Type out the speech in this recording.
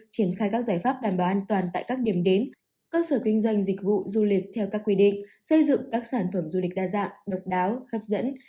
triển khai các giải pháp đảm bảo an toàn tại các điểm đến cơ sở kinh doanh dịch vụ du lịch theo các quy định xây dựng các sản phẩm du lịch đa dạng độc đáo hấp dẫn